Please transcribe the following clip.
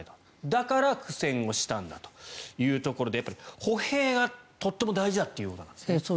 だから苦戦をしたんだというところで歩兵がとっても大事だということなんですね。